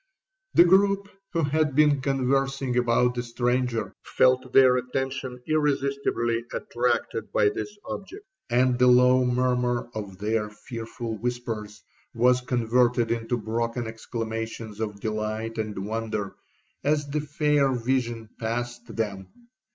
'The groupe who had been conversing about the stranger, felt their attention irresistibly attracted by this object; and the low murmur of their fearful whispers was converted into broken exclamations of delight and wonder, as the fair vision passed them.